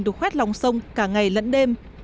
được khoét lòng sông cả ngày lẫn đêm